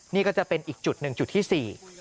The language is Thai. นี่ก็จะเป็นอีกจุดหนึ่งจุดที่สี่